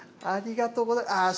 ありがとうございます。